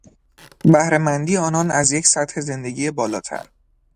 بهره مندی آنان از یک سطح زندگی بالاتر